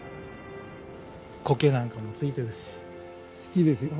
コケなんかもついてるし好きですよ